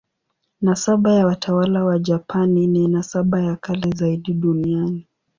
Nasaba ya watawala wa Japani ni nasaba ya kale zaidi duniani.